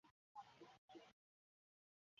এ হাদীস মুরসাল পর্যায়ের।